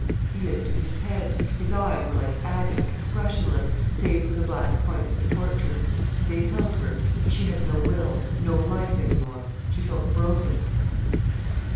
He lifted his head. His eyes were like agate, expressionless, save for the black points of torture. They held her, she had no will, no life any more. She felt broken.